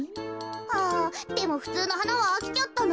あでもふつうのはなはあきちゃったな。